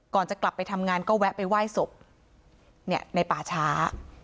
ก่อนจะกลับไปทำงานก็แวะไปไหว้สบเนี่ยในป่าช้า